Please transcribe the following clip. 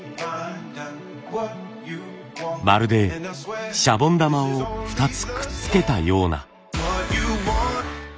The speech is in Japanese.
まるでシャボン玉を２つくっつけたような。